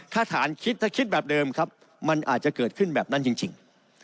ถ้าฐานคิดถ้าคิดแบบเดิมครับมันอาจจะเกิดขึ้นแบบนั้นจริง